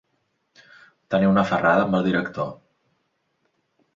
Tenir una aferrada amb el director.